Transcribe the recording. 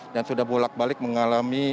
dan sudah bolak balik mengalami